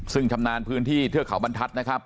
ซึ่งชำนาญพื้นที่เทือกเขาบรรทัศน์นะครับ